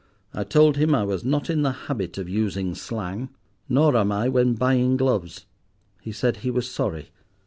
I told him I was not in the habit of using slang. Nor am I when buying gloves. He said he was sorry.